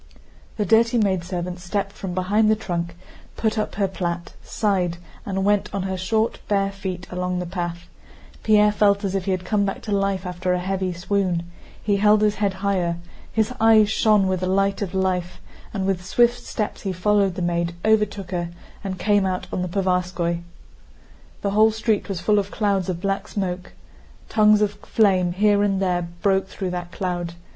The dirty maidservant stepped from behind the trunk, put up her plait, sighed, and went on her short, bare feet along the path. Pierre felt as if he had come back to life after a heavy swoon. He held his head higher, his eyes shone with the light of life, and with swift steps he followed the maid, overtook her, and came out on the Povarskóy. The whole street was full of clouds of black smoke. Tongues of flame here and there broke through that cloud.